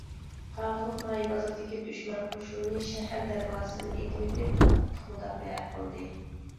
قاغىلىق ناھىيە بازىرىدىكى دۈشمەن قوشۇنى شەھەر دەرۋازىسىنى ئېتىۋېتىپ قاتتىق مۇداپىئە قىلدى.